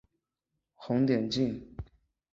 红点镜。